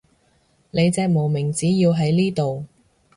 你隻無名指要喺呢度